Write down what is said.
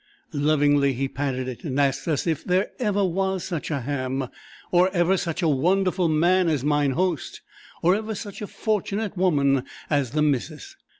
Lovingly he patted it and asked us if there ever was such a ham? or ever such a wonderful man as Mine Host? or ever such a fortunate woman as the missus?